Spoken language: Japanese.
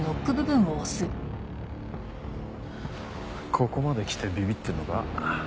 ここまで来てビビってんのか？